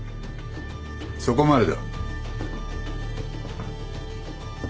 そこまでだ。